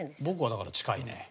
僕はだから近いね。